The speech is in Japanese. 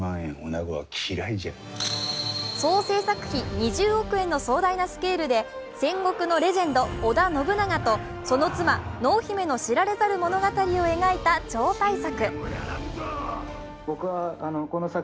総制作費２０億円の壮大なスケールで戦国のレジェンド・織田信長とその妻・濃姫の知られざる物語を描いた超大作。